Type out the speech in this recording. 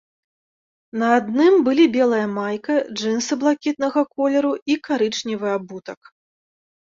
На адным былі белая майка, джынсы блакітнага колеру і карычневы абутак.